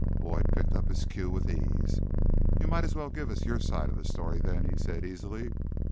Boyd picked up his cue with ease. "You might as well give us your side of the story, then," he said easily.